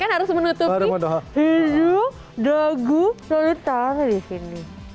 karena kan harus menutupi hidung dagu seletarnya di sini